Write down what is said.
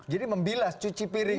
jadi membilas cuci piring